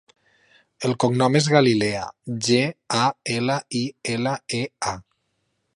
El cognom és Galilea: ge, a, ela, i, ela, e, a.